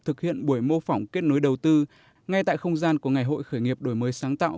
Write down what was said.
thực hiện buổi mô phỏng kết nối đầu tư ngay tại không gian của ngày hội khởi nghiệp đổi mới sáng tạo